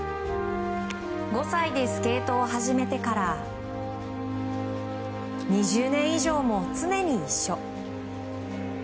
５歳でスケートを始めてから２０年以上も常に一緒。